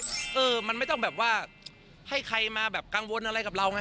มันไม่ที่ต้องแบบว่าให้ใครมากังวลอะไรกับเราไง